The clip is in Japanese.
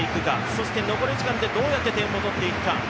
そして残り時間でどうやって点を取っていくか。